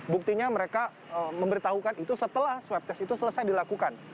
buktinya mereka memberitahukan itu setelah swab test itu selesai dilakukan